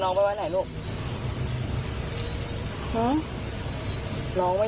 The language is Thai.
น้องได้ไปกับหนูไหม